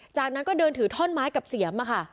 จากนั้นก็เดินถือท่อนไม้กับเสียม